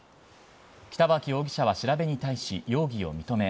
北脇容疑者は調べに対し容疑を認め、